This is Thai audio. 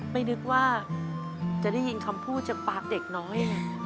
ไม่นึกว่าจะได้ยินคำพูดจากปากเด็กน้อย